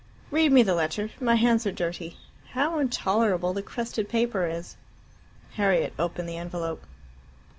"Read me the letter. My hands are dirty. How intolerable the crested paper is." Harriet opened the envelope.